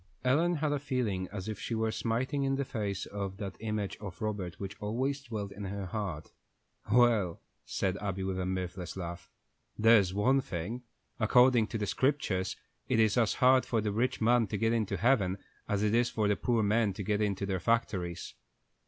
Ellen had a feeling as if she were smiting in the face that image of Robert which always dwelt in her heart. "Well," said Abby, with a mirthless laugh, "there's one thing: according to the Scriptures, it is as hard for the rich man to get into heaven as it is for the poor men to get into their factories."